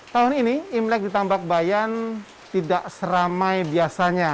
tahun ini imlek di tambak bayan tidak seramai biasanya